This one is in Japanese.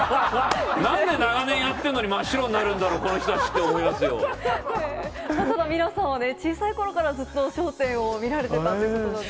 なんで長年やってるのに、真っ白になるんだろう、この人たちってただ、皆さんはね、小さいころからずっと笑点を見られてたということなんですよね。